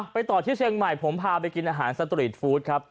ต่อที่เชียงใหม่ผมพาไปกินอาหารสตรีทฟู้ดครับ